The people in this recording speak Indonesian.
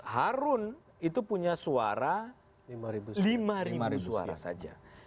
harun itu punya suara lima ribu suara saja